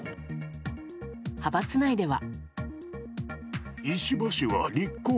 派閥内では。